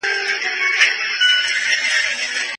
د لويي جرګې له پاره بودیجه څنګه مصرف کېږي؟